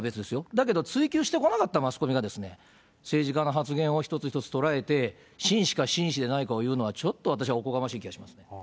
だけど追及してこなかったマスコミがですね、政治家の発言を一つ一つ捉えて、真摯か真摯でないか言うのはちょっと私はおこがましい気がします。